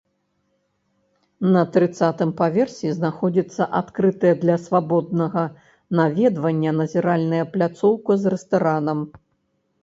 На трыццатым паверсе знаходзіцца адкрытая для свабоднага наведвання назіральная пляцоўка з рэстаранам.